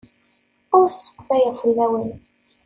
Ur sseqsayeɣ fell-awen.